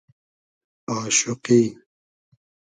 آشوقی